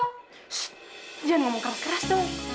shh jangan ngomong keras keras dong